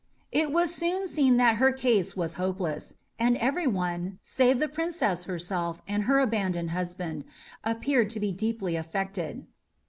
It was soon seen that her case was hopeless; and every one, save the Princess herself, and her abandoned husband, appeared to be deeply affected.